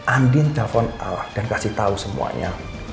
andin telpon dan kasih tahu semuanya